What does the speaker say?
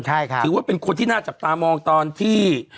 ถือว่าเป็นคนที่น่าจับตามองตอนที่